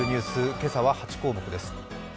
今朝は８項目です。